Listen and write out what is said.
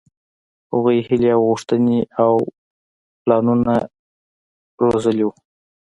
هغوۍ هيلې او غوښتنې او پلانونه روزلي وو.